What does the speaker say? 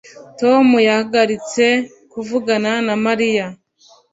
Tom yahagaritse kuvugana na Mariya